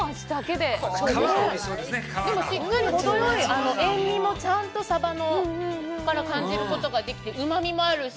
でも、しっかりほどよい塩味もちゃんとサバから感じることができて、うまみもあるし。